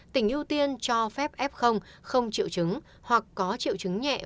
tỉnh ưu tiên cho phép f không triệu chứng hoặc có triệu chứng nhẹ